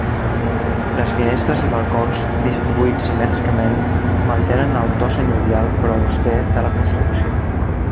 Les finestres i balcons, distribuïts simètricament, mantenen el to senyorial però auster de la construcció.